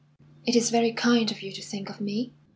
"It is very kind of you to think of me."